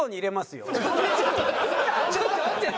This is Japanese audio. ちょっと待ってって。